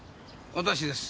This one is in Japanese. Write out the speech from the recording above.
私です。